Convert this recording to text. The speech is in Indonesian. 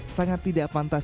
sangat tidak pantas